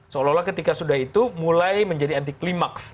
seolah olah ketika sudah itu mulai menjadi anti klimaks